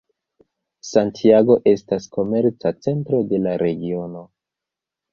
Santiago estas komerca centro de la regiono.